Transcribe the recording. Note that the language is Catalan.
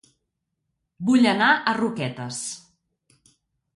Vull anar a Roquetes